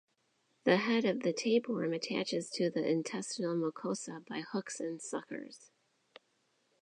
The head of the tapeworm attaches to the intestinal mucosa by hooks and suckers.